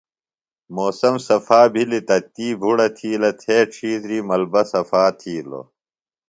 موسم صفا بھِلیۡ تہ تی بھُڑہ تھِیلہ تھے ڇھیتری ملبہ صفاتھِیلو۔